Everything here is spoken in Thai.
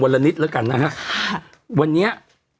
เราก็มีความหวังอะ